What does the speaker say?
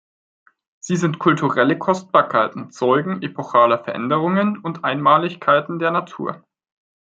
Sie sind kulturelle Kostbarkeiten, Zeugen epochaler Veränderungen und Einmaligkeiten der Natur.